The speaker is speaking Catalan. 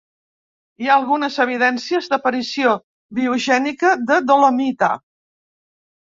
Hi ha algunes evidències d'aparició biogènica de dolomita.